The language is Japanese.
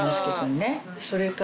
それから。